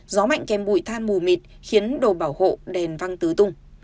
gió mạnh kèm bụi than mù mịt khiến đồ bảo hộ đèn văng tứ tung